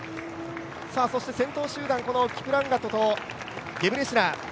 そして先頭集団キプランガトとゲブレシラセ。